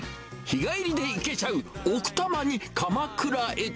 日帰りで行けちゃう奥多摩に鎌倉へ。